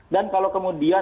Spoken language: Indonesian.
dan kalau kemudian